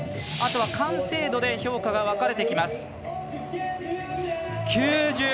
あとは完成度で評価が分かれてきます。